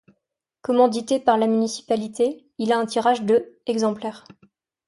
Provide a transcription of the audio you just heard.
Commandité par la municipalité, il a un tirage de exemplaires.